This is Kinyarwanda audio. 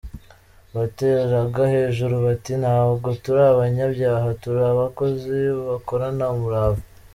Bateraga hejuru bati: "Ntabwo turi abanyabyaha! Turi abakozi bakorana umurava".